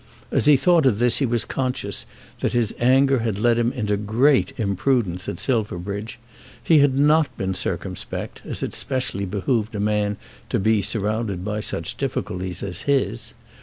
As he thought of this he was conscious that his anger had led him into great imprudence at Silverbridge. He had not been circumspect, as it specially behoved a man to be surrounded by such difficulties as his.